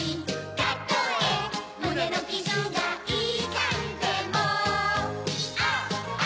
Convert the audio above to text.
たとえむねのきずがいたんでもああ